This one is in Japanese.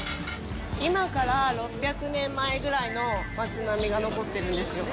今から６００年前ぐらいの街並みが残ってるんですよ。